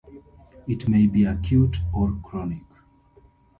It may be acute or chronic.